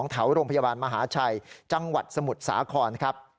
แถวโรงพยาบาลมหาชัยจังหวัดสมุทรสาครครับ